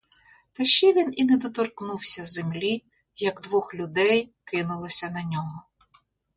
Та ще він і не доторкнувся землі, як двох людей кинулося на нього.